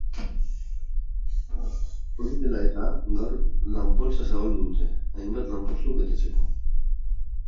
Hori dela eta, gaur lan-poltsa zabaldu dute, hainbat lanpostu betetzeko.